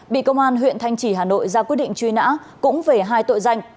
bị công an huyện thanh trì hà nội ra quyết định truy nã cũng về hai tội danh